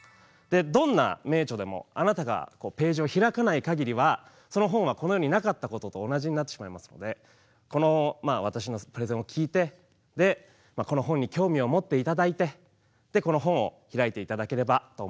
どんな名著でもあなたがページを開かないかぎりはその本はこの世になかったことと同じになってしまいますのでこの私のプレゼンを聞いてこの本に興味を持って頂いてこの本を開いて頂ければと思います。